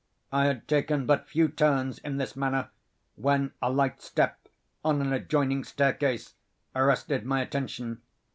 I had taken but few turns in this manner, when a light step on an adjoining staircase arrested my attention.